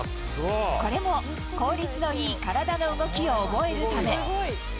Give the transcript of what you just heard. これも効率のいい体の動きを覚えるため。